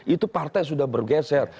itu partai sudah bergeser